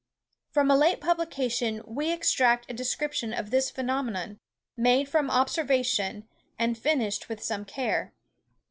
From a late publication we extract a description of this phenomenon, made from observation, and finished with some care.